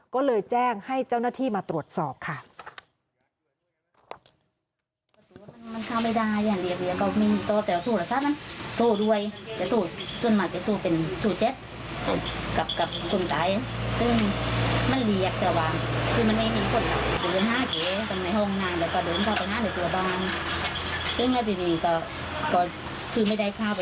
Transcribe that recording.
ก็เลยแจ้งให้เจ้าหน้าที่มาตรวจสอบค่ะ